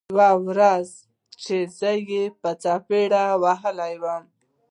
يوه ورځ چې زه يې په څپېړو ووهلم.